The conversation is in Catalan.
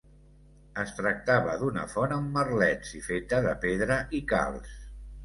Es tractava d'una font amb merlets i feta de pedra i calç.